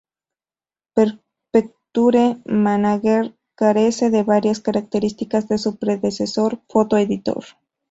Picture Manager carece de varias características de su predecesor, Photo Editor.